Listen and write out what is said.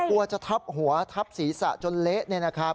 กลัวจะทับหัวทับศีรษะจนเละเนี่ยนะครับ